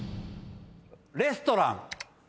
レストラン。